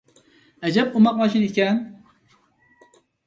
ئەجەب ئوماق ماشىنا ئىكەن.